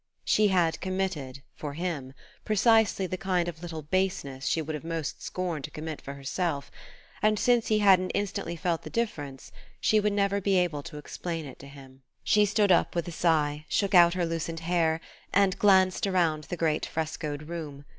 She had committed, for him, precisely the kind of little baseness she would most have scorned to commit for herself; and, since he hadn't instantly felt the difference, she would never be able to explain it to him. She stood up with a sigh, shook out her loosened hair, and glanced around the great frescoed room.